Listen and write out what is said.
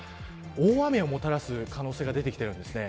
大雨をもたらす可能性が出てきているんですね。